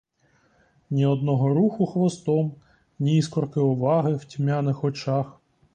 Ні одного руху хвостом, ні іскорки уваги в тьмяних очах.